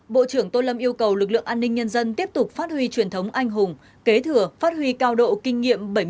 bộ trưởng tô lâm yêu cầu lực lượng an ninh nhân dân tiếp tục phát huy truyền thống anh hùng kế thừa phát huy cao độ kinh nghiệm